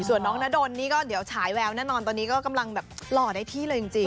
ส่วนน้องนาดนนี่ก็เดี๋ยวฉายแววแน่นอนตอนนี้ก็กำลังแบบหล่อได้ที่เลยจริง